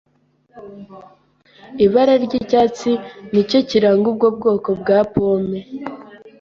Ibara ryicyatsi nicyo kiranga ubwo bwoko bwa pome.